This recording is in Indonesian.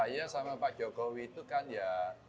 saya sama pak jokowi itu kan ya